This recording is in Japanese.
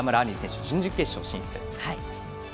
り選手が準々決勝進出。